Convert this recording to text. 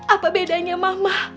apa bedanya mama